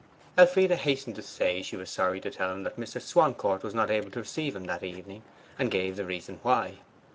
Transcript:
Elfride hastened to say she was sorry to tell him that Mr. Swancourt was not able to receive him that evening, and gave the reason why.